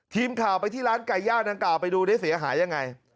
ทีมข่าวไปที่ร้านไก่ย่างดังกล่าวไปดูได้เสียหายยังไง